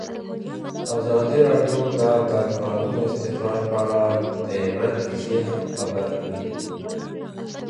ازادي راډیو د د کانونو استخراج په اړه د عبرت کیسې خبر کړي.